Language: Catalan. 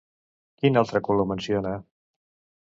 Quin altre color menciona?